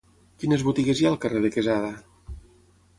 Quines botigues hi ha al carrer de Quesada?